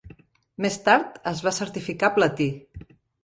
Més tard, es va certificar platí.